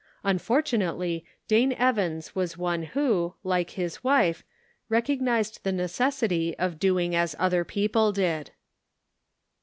Unfortunately, Dane Evans was one who, like his wife, recognized the necessity of doing as other people did.